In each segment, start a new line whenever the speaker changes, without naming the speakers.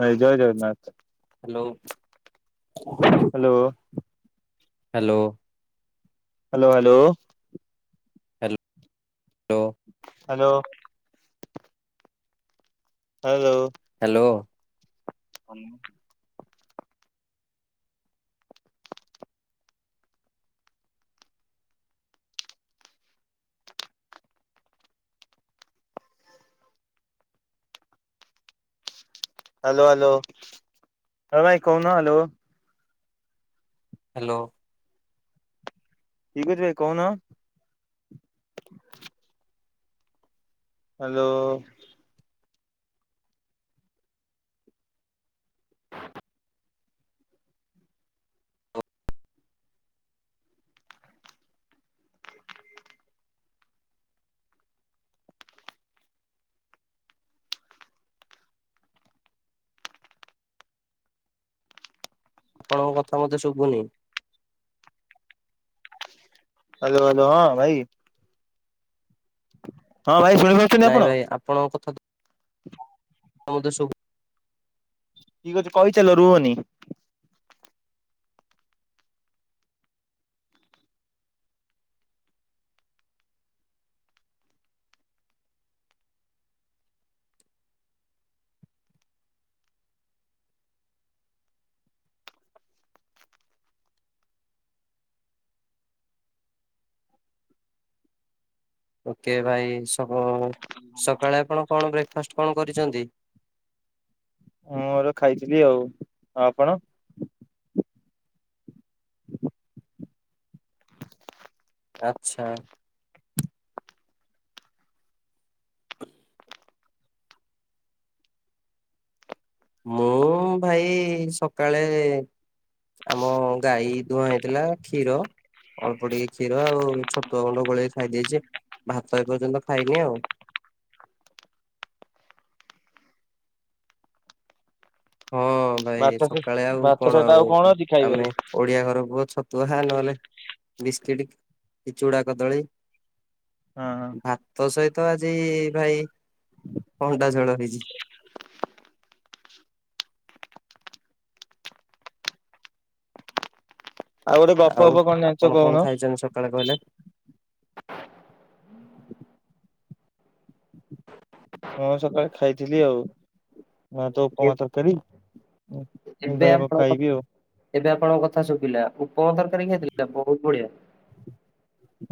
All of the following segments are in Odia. ଭାଇ ଜୟ Jagannath
hello.
Hello.
Hello.
Hello hello.
Hello hello.
Hello. Hello.
Hello.
[unintelligible] Hello hello ହ ଭାଇ କହୁନ ହ୍ୟାଲୋ।
ହ୍ୟାଲୋ।
ଠିକ ଅଛି ଭାଇ କହୁନ। ହାଲୋ।
ଆପଣଙ୍କ କଥା ମତେ ଶୁଭୁନି।
ହ୍ୟାଲୋ ହ୍ୟାଲୋ ହଁ ଭାଇ ହଁ ଭାଇ ଶୁଣିପାରୁଛନ୍ତି
ନାଇଁ
ଆପଣ
ଭାଇ ଆପଣଙ୍କ କଥା
[inaudible]
ଆ ସବୁ
ଠିକ ଅଛି କହିଚାଲ ରୁହନି।
ଓକେ ଭାଇ ସକାଳେ ସକାଳେ ଆପଣ କଣ ବ୍ରେକ୍ଫାଷ୍ଟ କଣ କରିଚନ୍ତି?
ମୋର ଖାଇଥିଲି ଆଉ। ଆପଣ? [inaudible]
ଆଚ୍ଛା। ମୁଁ ଭାଇ ସକାଳେ ଆମ ଗାଈ ଦୁୁହାଁଆଁ ହେଇଥିଲା କ୍ଷୀର ଅଳ୍ପ ଟିକେ କ୍ଷୀର ଆଉ ଛତୁଆ ଗୁଣ୍ଡ ଗୋଳେଇକି ଖାଇ ଦେଇେଚି ଭା ଏବେ ପର୍ଯ୍ୟନ୍ତ ଖାଇନି ଆଉ। ହଁ ଭାଇ
ଭାତ
ସକାଳେ ଆଉ
ଭାତ
କଣ
ସହିତ
ଆଉ
କଣ ଅଛି
ଆମେ
ଖାଇବାରେ
ଓଡିଆ ଘର ପୁଆ ଛ ପୋହା ନହେଲେ ବିସ୍କିଟ୍ କି ଚୁଡ଼ା କଦଳୀ
ହଁ ହଁ
ଭାତ ତ ସହି ତ ଆଜି ଭାଇ ଅଣ୍ଡା ଝୋଳ ହେଇଚି।
ଆଉ ଗୋଟେ ଗପ
ଆଉ
ଗପ କଣ ଜାଣିଛ
ଆପଣ
କହୁନ
କଣ ଖାଇଚନ୍ତି ସକାଳେ କହିଲେ।
ହଁ ସକାଳେ ଖାଇଥିଲି ଆଉ। ମୁଁ ତ ଉପମା ତରକାରୀ ଉଂ
ଏବେ
ଫେରେ କଣଁ
ଆପଣଙ୍କ
ଖାଇବି ଆଉ।
ଏବେ ଆପଣଙ୍କ କଥା ଶୁଖିଲା ଉପମ ତରକାରୀ ଖଇଥିଲେ ବହୁତ ବଢିଆ।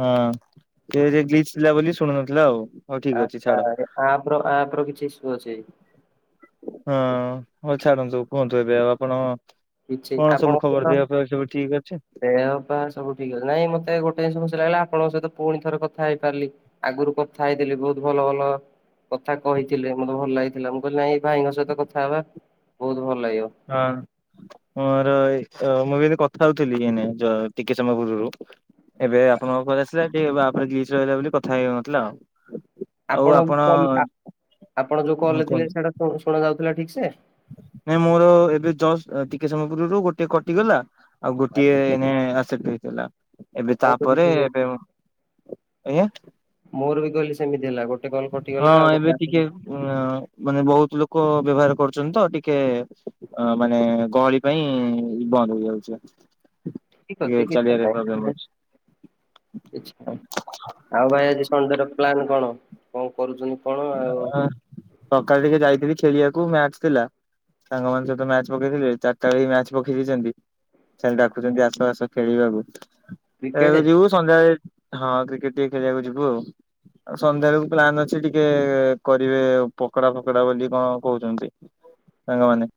ହଁ ଗ୍ଲିଚ ଥିଲା ବୋଲି ଶୁଣୁନଥିଲା ଆଉ। ହଉ ଠିକ
ଆ
ଅଛି ଛାଡ
ଆ-ଆ-ଆ -ଆପ ର ଆପ ର କିଛି ସୁବୁଚି।
ବେ ଆଉ ଆପଣ
କିଛି
କଣ ସବୁ ଖବର
ଆପଣଙ୍କର
ଦେହ ଫେୟ ସବୁ ଠିକ ଅଛି।
ଦେହ ପା ସବୁ ଠିକ ଅଛି ନାଇଁ ମତେ ଗୋଟେ ଜିନିଷ ଖୁସି ଲାଗିଲା ଆପଣଙ୍କ ସହିତ ପୁଣି ଥରେ କଥା ହେଇ ପାରିଲି ଆଗରୁ କଥା ହେଇଥିଲି ବହୁତ ଭଲ ଭଲ କଥା କହିଥିଲେ ମତେ ଭଲ ଲାଗିଥିଲା ମୁଁ କହିଲି ନାଇଁ ଭାଇଙ୍କ ସହିତ କଥା ହେବା ବହୁତ ଭଲ ଲାଗିବ।
ହଁ ମୋର ଏଇ ଓ ମୁଁ ବି ଏତି କଥା ହୋଉଥିଲି ଏନେ ଯ ଟିକେ ସମୟ ପୂର୍ବରୁ ଏବେ ଆପଣଙ୍କ କଲ୍ ଆସିଲା ଟିକେ ବାଫଯିସ ହେଲାବୋଲି କଥା ହେଇହୋଉନଥିଲା ଆଉ। ଆଉ ଆପଣ
ଆପଣଙ୍କ ଆପ ଆପଣ ଯୋଉ କଲ ଥିଲେ ସେଇଟା ଶୁ ଶୁଣ ଯାଉଥିଲା ଠିକ ସେ।
ନାଇ ମୋର ଏବେ ଜସ୍ ଟିକେ ସମୟ ପୂର୍ବରୁ ଗୋଟେ କଟିଗଲା ଆଉ ଗୋଟିଏ ମେଁ ଆସେପଟ୍ ହେଇଥିଲା ଏବେ
ମୋର ବି
ତାପରେ
ସେମିତି
ଏବେ ଆଜ୍ଞା।
ମୋର ବି କଲି ସେମତି ହେଲା। ଗୋ
ହଁ ଏବେ ଟିକେ ଅଂ ମାନେ ବହୁତ ଲୋକ ବ୍ୟବହାର କରୁଚନ୍ତି ତ ଟି ଟିକେ ଅଂ ମାନେ ଗହଳି ପାଇଁ ବନ୍ଦ ହେଇଯାଉଚି।
ଠିକ ଅଛି କିଛି ନାହିଁ [unintelligible] କିଛି ନାଇଁ ଆଉ ଭାଇ ଆଜି ସନ୍ଧ୍ୟାରେ ପ୍ଲାନ କଣ କଣ କରୁଚନ୍ତି?
ସକାଳେ ଟିକେ ଯାଇଥିଲି ଖେଳିୟାକୁ, ମ୍ୟାଚ ଥିଲା। ସାଙ୍ଗମାନେ ସହିତ, ମ୍ୟାଚ ପକେଇଥିଲେ। ଚାର ତାରିଖ, ମ୍ୟାଚ ପଖେଇ ଦେଇଚନ୍ତି। ଖାଲି ଡାକୁଚନ୍ତି ଆସ, ଆସ ଖେଳିବାକୁ।
କ୍ରିକେଟ୍
ଏବେ ଯିବୁ ସନ୍ଧ୍ୟାରେ ହଁ କ୍ରିକେଟ ଟିକେ ଖେଳିୟାକୁ ଯିବୁ ଆଉ। ସନ୍ଧ୍ୟାବେଳକୁ ପ୍ଲାନ୍ ଅଛି ଟି ଟିକେ କରିବେ ପକଡା, ଫକଡା ବୋଲି କଣ, କହୁଚନ୍ତି। ସାଙ୍ଗମାନେ।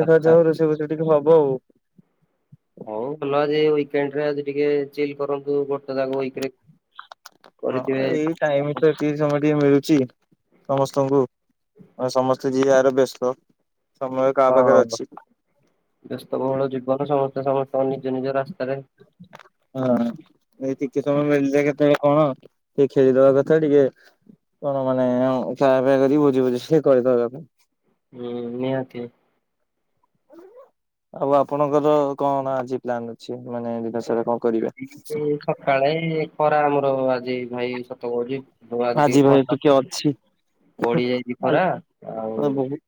ଦେଖା
ଆଚ୍ଛା
ଯାଉ ରୋଷେଇ, ଫୋଷେଇ ଟିକେ ହବ ଆଉ।
ହଉ ବୁଲ ଆଜି ଉଇକେଣ୍ଟ୍ ରେ, ଆଜି ଟିକେ ଚିଲ କରନ୍ତୁ। ଯାକ ୱିକ୍ ରେ
ହଁ
କରିଥିବେ
ଏଇ ଟାଇମ ତ ଟିକିଏ ସମୟ ଟିକେ ମିଳୁ ଚି, ସମସ୍ତଙ୍କୁ। ସମସ୍ତେ ଯିଏ ଯାର ବ୍ୟସ୍ତ। ସମୟ କାହା
ହଁ।
ପାଖରେ ଅଛି।
ବ୍ୟସ୍ତବହୁଳ ଜୀବନ ସମ ସମସ୍ତଙ୍କ ନିଜ, ନିଜ ରାସ୍ତାରେ।
ହଁ। ଏଇ ଟିକେ ସମୟ, ମିଳିଲେ କେତେଳେ, କଣ। ଟିକେ ଖେଳିଦବା କଥା, ଟିକେ କଣ, ମାନେ ଅଂ, ଖାଇବା, ପିଇବା କରି କି ଭୋଜି, ଭୁଜି ଟିଏ କରି ଦବା କଥା।
ହୁଁ ନିହାତି।
ଆଉ' ଆପଣଙ୍କର, କଣ ଆଜି ପ୍ଲାନ ଅଛି? ମାନେ ବିକାଶର ଙ୍କ।
ସକାଳେ ଖରା ଆମର ଆଜି, ଭାଇ ସତ କହୁଛି। ଆଜି ଟିକେ କଣ? ବଢି ଯାଇଛି ଖରା, ଆଉ।
ବହୁତ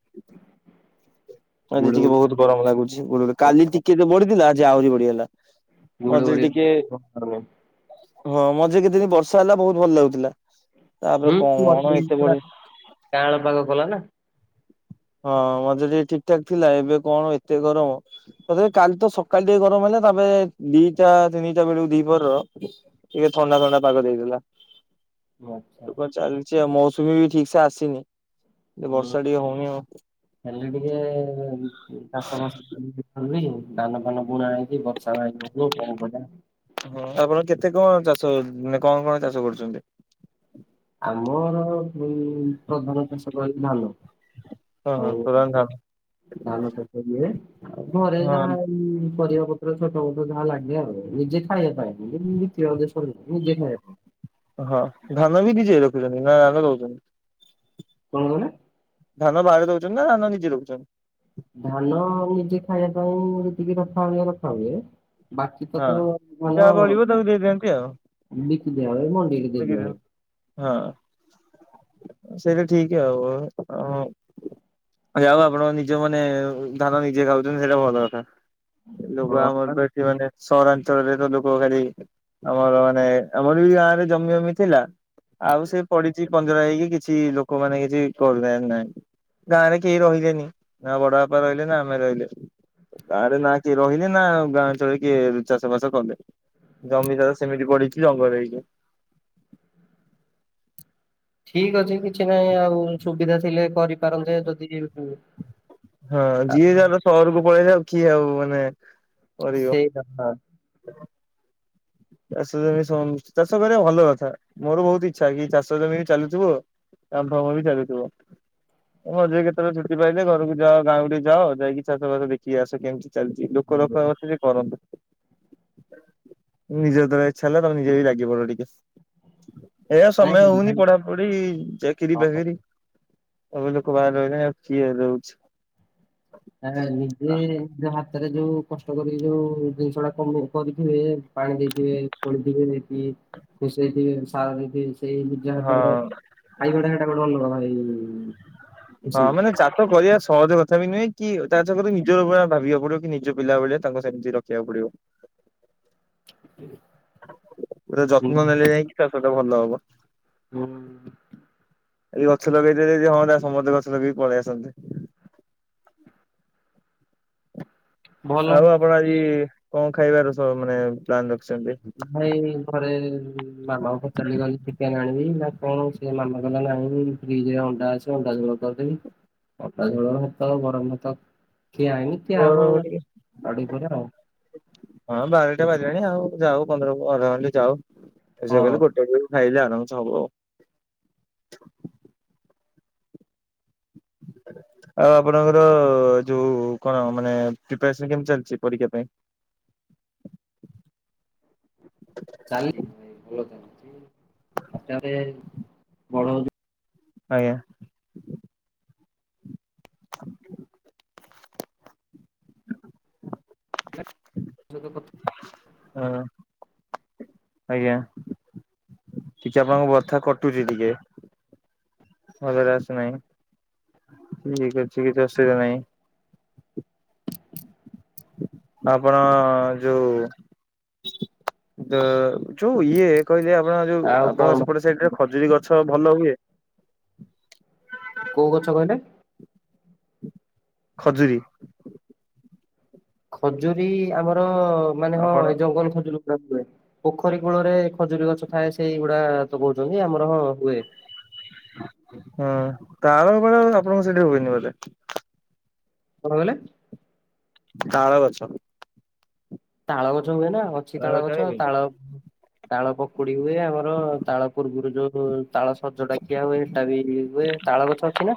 ଆଜି ଟିକେ
ଗୁଳୁଗୁଳି
ବହୁତ ଗରମ ଲାଗୁଛି। କାଲି ଟିକେ ବଢିଥିଲା, ଆଜି ଆହୁରି ବଢିଗଲା।
ଗୁଳୁ
ମଝିରେ
ଗୁଳି।
ଟିକେ ହଁ, ମଝିରେ କେତେଦିନ ବର୍ଷା ହେଲା, ବହୁତ ଭଲ ଲାଗୁଥିଲା। ତାପରେ
ହୁଁ,
କଣ
ମଝିରେ ବି
ଏତେ
ପୁରା
ବଢି
କଅଁଳ ପାଗ କଲା ନା।
ହଁ, ମଝିରେ ଟିକେ ଠିକ, ଠାକ ଥିଲା। ଏବେ କଣ ଏତେ ଗରମ। ତଥାପି, କାଲି ତ ସକାଳ ଟିକେ ଗରମ ହେଲା ତାପରେ, ଦିଟା ତିନିଟା ବେଳକୁ ଦିପହର, ଟିକେ ଥଣ୍ଡା, ଥଣ୍ଡା ପାଗ ଦେଇଥିଲା।
ଆଚ୍ଛା।
ସେ ମୌସୁମୀ ବି ଠିକ୍ ସେ ଆସିନି। ଏ
ହୁଁ
ବର୍ଷା ଟିକେ ହଉନି ଆଉ।
ହେଲେ ଟିକେ ଚାଷ, ବାସ କେ ବୁନି, ଦାନ ଫାନ ବୁଣା ହେଇକି, ବର୍ଷା ନାହିଁ କଣ କରି ବା
ହଁ ଆପଣ କେତେ କଣ, ଚାଷ ହୋ- ମାନେ କଣ, କଣ ଚାଷ କରୁଛନ୍ତି?
ଆମର, ପ୍-ପ୍ରଧାନ ଚାଷ କହିଲେ ଧାନ।
ହଁ
ଆଉ
ହଁ ସୋରାନ ଧାନ।
ଧାନ ଚାଷ ହୁଏ, ଆଉ ଘରେ
ହଁ
ଯାହା, ପରିବା ପତ୍ର, ଛୋଟ ମୋଟ ଯାହା ଲାଗେ ଆଉ। ନିଜେ ଖାଇବା ପାଇଁ। ବିକିବା ଉଦେସ
ହଁ। ଧାନ ବି ନିଜେ ରଖୁଛନ୍ତି ନା ଧାନ ଦଉଛନ୍ତି?
କଣ କହିଲେ?
ଧାନ ବାହାରେ ଦଉଛନ୍ତି ନା, ଧାନ ନିଜେ ରଖୁଛନ୍ତି?
ଧାନ ନିଜେ ଖାଇବା ପାଇଁ, ଯେତିକି ରଖା ହୁଏ, ରଖା ହୁଏ ବାକି ତକ
ହଁ
ଧାନ
ଯାହା ବଳିବ ତାକୁ ଦେଇଦିଅନ୍ତି ଆଉ।
ବିକି ଦିଆ ହୁଏ, ମଣ୍ଡିକୁ ଦେଇ ଦିଆ ହୁଏ।
ହଁ ସେଟା ଠିକ ଆଉ ଯା ହଉ, ଆପଣ ନିଜେ ମାନେ, ଧାନ ନିଜେ ଖାଉଛନ୍ତି ସେଇଟା ଭଲ କଥା। ଲୋକ ଆମର,
ହଁ
ତ ଏଠି ମାନେ ସହରାଞ୍ଚଳରେ ତ, ଲୋକ ଖାଲି ଆମର ମାନେ, ଆମର ବି ଗାଁରେ ଜମି, ଫମି ଥିଲା। ଆଉ ସେ ପଡିଛି ପଞ୍ଜରା ହେଇକି, କିଛି ଲୋକମାନେ କିଛି କରୁ ନାହିଁ ନାଇଁ। ଗାଁରେ କେହି ରହିଲେନି। ନା ବଡ ବାପା ରହିଲେ, ନା ଆମେ ରହିଲେ। ଗାଁରେ ନାଁ କିଏ ରହିଲେ ନା ଗାଁ ଚଳି କିଏ ଚାଷ, ବାସ କଲେ, ଜମିଟା ତ ସେମିତି ବଢିଛି, ଜଙ୍ଗଲ ହେଇକି।
ଠିକ ଅଛି, କିଛି ନାହିଁ, ଆଉ ସୁବିଧା ଥିଲେ କରିପାରନ୍ତେ। ଯଦି କେବେ
ହଁ ଯିଏ ଯାର ସହରକୁ ପଳେଇ ଯାଉ କିଏ ଆଉ ମାନେ କରିବ
ସେଇ କଥା।
ଚାଷ ଜମି ସନ୍ ଚାଷ କରିବା ଭଲ କଥା। ମୋର ବହୁତ ଇଚ୍ଛା କି ଚାଷ ଜମିରେ ଚାଲୁଥିବ କାମ ଫାମ ବି ଚାଲୁଥିବ। ଏ ମଝିରେ କେତେବେଳେ ଛୁଟି ପାଇଲେ ଘରକୁ ଯାଅ। ଗାଁ କୁ ଟିକେ ଯାଅ। ଯାଇକି ଚାଷ ବାସ ଦେଖିକି ଆସ କେମିତି। ଚାଲିଚି ଲୋକ ରଖା ରଖିରେ କରନ୍ତୁ। ନିଜେ ଯେତେବେଳେ ଇଚ୍ଛା ହେଲା ତୋମେ ନିଜେ ବି ଲାଗି ପଡ ଟିକେ। ଏୟା ସମୟ
ନାଇଁ
ହଉନି
ନାଇଁ
ପଢାପଢି, ଚାକିରି
ହଁ।
ବାକିରି। ସବୁ ଲୋକ ବାହାରେ ରହିଲେଣି। ଆଉ କିଏ ରହୁଛି।
ଆ ନିଜେ ଯାହା ତେରେ ଯୋଉ କଷ୍ଟ କରିକି ଯୋଉ ଜିନିଷ ଟା କମି କରିଥିବେ। ପାଣି ଦେଇଥିବେ, ଖୋଳିଥିବେ ଦେଇକି ଖୁସେଇଥିବେ, ସାର ଦେଇଥିବେ। ସେଇ ନିଜ
ହଁ
ହାତର ଖାଇବା ଟା ସେଟା ବଡ ଅନୁଭବ ହେଇ [inaudible]
ହଁ ମାନେ ଚାଷ କରିବା ସହଜ କଥା ବି ନୁହେଁ। କି ଚାଷ କରି ନିଜ ଉପରେ ଭାବିବାକୁ ପଡିବ କି ନିଜ ପିଲା ଭଳିଆ ତାଙ୍କୁ ସେମିତି ରଖିବାକୁ ପଡିବ। ପୁରା ଯତ୍ନ ନେଲେ ଯାଇକି ଚାଷ ଟା ଭଲ ହବ।
[unintelligible]
ଏଇ ଗଛ ଲଗେଇ ଦେଲେ ଯେ ହଅନ୍ତା ସମସ୍ତେ ଗଛ ଲଗେଇକି ପଳେଇ ଆସନ୍ତେ। [inaudible]
ଭଲ
ଆଉ ଆପଣ ଆଜି କଣ ଖାଇବାର ସ ମାନେ ପ୍ଲାନ ରଖିଛନ୍ତି?
[unintelligible] ଭାଇ ଘରେ ମାମା ଙ୍କୁ ପଚାରିଲି ଗଲି ଚିକେନ୍ ଆଣି ବି ନା କଣ ସେ ମନା କଲା ନା ଆଣିବି। ଫ୍ରିଜ୍ ରେ ଅଣ୍ଡା ଅଛି ଅଣ୍ଡା ଝୋଳ କରିଦେବି। ଅଣ୍ଡା ଝୋଳ ଭାତ, ଗରମ ଭାତ। ଖିଆ ହେଇନି। ଖିଆ
ମୋର
ହବ।
ଟିକେ
ଆଉ ଟିକେ ପରେ ଆଉ।
ହଁ ବାରଟା ବାଜିଲାଣି ଆଉ ଯାଉ ପନ୍ଦର ଅଧେ ଘଣ୍ଟେ ଯାଉ, ଏ ସେ
ହଁ
କହିଲେ ଗୋଟେ ବେଳୁ ଖାଇଲେ ଆରାମସେ ହବ। [inaudible] ଆଉ ଆପଣଙ୍କର ଯୋଉ କଣ ମାନେ ପ୍ରିପାରେସନ୍ କେମତି ଚାଲିଚି ପରୀକ୍ଷା ପାଇଁ? [inaudible]
[inaudible] ଚାଲି ଭାଇ ଚାଲିଚି ଆସ୍ତେ ଆସ୍ତେ ବଡ ହଉଚୁ
ଆଜ୍ଞା। [inaudible]
ଯୁଗପଥ
ହଁ। ଆଜ୍ଞା, ଟିକେ ଆପଣଙ୍କ ବଥା କଟୁଚି ଟିକେ। ଭଲରେ ଆସୁ ନାହିଁ। ଠିକ ଅଛି କିଛି ଅସୁବିଧା ନାହିଁ। ଆପଣ ଯୋଉ ତ ଯୋଉ ଇଏ କହିଲେ ଆପଣ ଯୋଉ
ଆଉ
ଆପଣ
କଣ
ସେପଟେ ସାଇଟରେ ଖଜୁରୀ ଗ ଛ ଭଲ ହୁଏ?
କୋଉ ଗଛ କହିଲେ?
ଖଜୁରୀ।
ଖଜୁରୀ ଆମର ମାନେ ହଁ
ଆପଣ
ଏ ଜଙ୍ଗଲ ଖଜୁରୁ ନା ହୁଏ, ପୋଖରୀ କୂଳରେ ଖଜୁରୀ ଗଛ ଥାଏ, ସେଇଗୁଡା ତ କହୁଚନ୍ତି ଆମର ହଁ ହୁଏ।
ହଁ ତାଳ [unintelligible] ଆପଣଙ୍କ ସେଠି ହୁଏନି ବୋଧେ?
କଣ କହିଲେ?
ତାଳ ଗଛ।
ତାଳ ଗ ଗଛ ହୁଏ ନା ଅଛି
ହଁ
ତାଳ ଗଛ ତାଳ ତାଳ ପକୁଡି ହୁଏ ଆମର ତାଳ ପୂର୍ବରୁ ଯୋଉ ତାଳ ସଜ ଟା କିିଆ ହୁଏ ସେଟା ବି ହୁଏ ତାଳ ଗଛ ଅଛି ନା?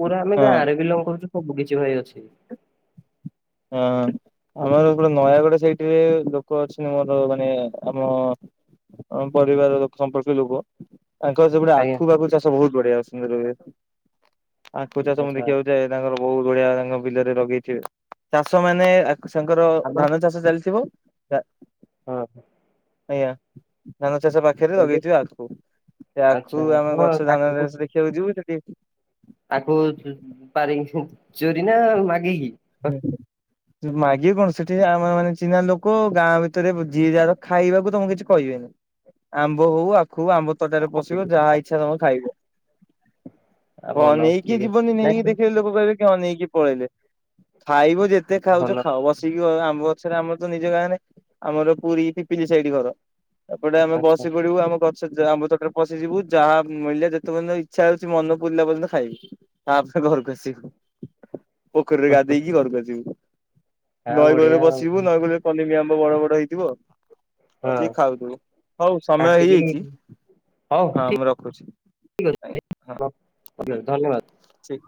ପୁରା ଆମେ ଗାଁ
ହଁ।
ରେ ବିଲଙ୍ଗ କରୁଚୁ ସବୁ କିଛି ଭାଇ ଅଛି।
ହଁ ଆମର ସେପଟେ ନୟାଗଡ ସେଇଟ ରେ ଲୋକ ଅଛନ୍ତି ଆମର ମାନେ ଆମ ଆମ ପରିବାର ଲୋକ ସମ୍ପର୍କୀୟ ଲୋକ। ତାଙ୍କର ସେପଟେ
ଆଜ୍ଞା
ଆଖୁ ବାଖୁ ଚାଷ ବହୁତ ବଢିଆ ସୁନ୍ଦର ହୁଏ। ଆଖୁ ଚାଷ ମୁଁ
ଆଚ୍ଛା
ଦେଖିବାକୁ ଯାଏ ତାଙ୍କର ବହୁତ ବଢିଆ ତାଙ୍କ ବିଲରେ ଲଗେଇଥିବେ ଚାଷ ମାନେ ତାଙ୍କର
ଆପଣ
ଧାନ ଚାଷ ଚାଲିଥିବ ତା
ହଁ।
ଆଜ୍ଞା ତାଙ୍କ ଚାଷ ପାଖରେ
କହିଲି
ଲଗେଇଥିବେ ଆଖୁ ସେ
ଆଚ୍ଛା
ଆଖୁ ଆମେ
ହଁ
ଗଛ ଧାନ
ଆଖୁକୁ
ସେ ଦେଖିବାକୁ ଯିବୁ ସେଠି
ଆଖୁ ପାରି ଚୋରି ନା ମାଗିକି?
ହୁଁ। ମାଗିବେ କଣ ସେଠି ଆମ ମାନେ ଚିହ୍ନା ଲୋକ ଗାଁ ଭିତରେ ଯିଏ ଯାହାର ଖାଇବାକୁ ତମକୁ କିଛି କହି ଆମ୍ବ ହଉ ଆଖୁ ହଉ ଆମ୍ବ ତୋଟାରେ ପଶିବ ଯାହା ଇଚ୍ଛା ତମେ ଖାଇବ।
ଆ
ହଁ
ଭଲ
ନେଇକି
ଠିକ ଅଛି
ଯିବନି ନେଇକି
ନାଇଁ
ଦେଖେଇ ଗଲେ ଲୋକ କହିବେ। ଅନେଇକି ପଳେଇଲେ। ଖାଇବ ଯେତେ
ଭଲ
ଖାଉଛ ଖାଉ ବସିକି ଆମ୍ବ ରେ ଆମର ତ ନିଜ ଗାଁରେ। ଆମର ପୁରୀ ପିପିଲି ସାଇଡି ଘର। ଏପଟେ ଆମେ
ଆଚ୍ଛା
ବସି ପଡିବୁ ଆମ- ଆମ୍ୱ ତୋଟାରେ ପସିଯିବୁ ଯାହା ମିଳିଲା ଯେତେ ପର୍ଯ୍ୟନ୍ତ ଇଚ୍ଛା ହଉଛି ମନ ପୁୁରିଲା ପର୍ଯ୍ୟନ୍ତ ଖାଇବୁ ତା - ଘରକୁ ଆସି। ପୋଖରୀରେ ଗାଧେଇକି ଘରକୁ ଆସିବୁ
ଆଉ
ନଈ କୂଲେରେ
ବଢିଆ ଆଉ
ବସିବୁ ନଈକୁଳରେ କଲିମି ଆମ୍ବ- ବଡ ବଡ ହେଇଥିବ ଆଉ
ହଁ
ଆସିକି ଖାଉଥିବୁ। ହଉ ସମୟ
କାଟିକି
ହେଇଯାଇଛି।
ହଉ
ହଁ
ଠିକ
ମୁଁ ରଖୁଛି ଆଜ୍ଞା
ଅଛି ଧନ୍ୟବାଦ।
ହଁ।